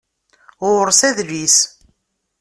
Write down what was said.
Ɣur-s adlis